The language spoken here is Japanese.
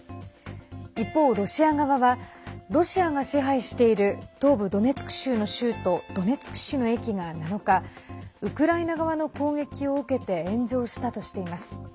一方、ロシア側はロシアが支配している東部ドネツク州の州都ドネツク市の駅が７日ウクライナ側の攻撃を受けて炎上したとしています。